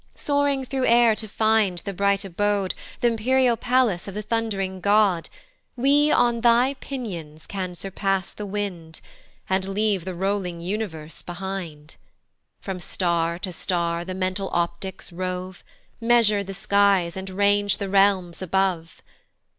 Soaring through air to find the bright abode, Th' empyreal palace of the thund'ring God, We on thy pinions can surpass the wind, And leave the rolling universe behind: From star to star the mental optics rove, Measure the skies, and range the realms above.